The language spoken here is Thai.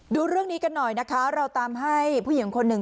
ดูเรื่องนี้กันหน่อยนะคะเราตามให้ผู้หญิงคนหนึ่ง